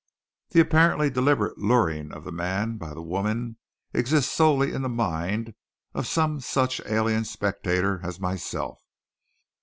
The apparently deliberate luring of the man by the woman exists solely in the mind of some such alien spectator as myself.